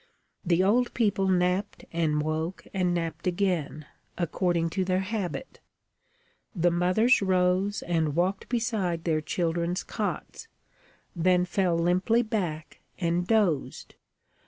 The old people napped and woke and napped again, according to their habit. The mothers rose and walked beside their children's cots, then fell limply back and dozed.